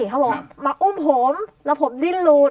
เขาบอกมาอุ้มผมแล้วผมดิ้นหลุด